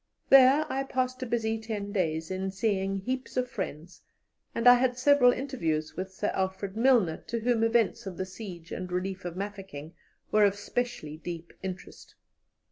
There I passed a busy ten days in seeing heaps of friends, and I had several interviews with Sir Alfred Milner, to whom events of the siege and relief of Mafeking were of specially deep interest.